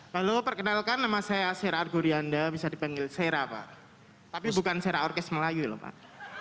halo perkenalkan nama saya sera argorianda bisa dipanggil sera pak tapi bukan sera orkes melayu lho pak